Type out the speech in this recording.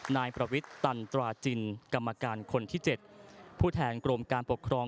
นายประวิทย์ตันตราจินกรรมการคนที่๗ผู้แทนกรมการปกครอง